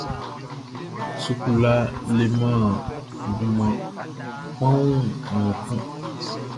Sukula leman dunman kpanwun nun kun.